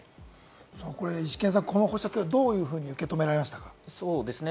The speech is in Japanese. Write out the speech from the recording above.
イシケンさん、この保釈をどう受け止められましたか？